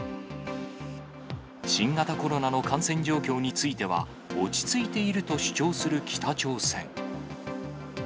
新型コロナの感染状況については、落ち着いていると主張する北朝鮮。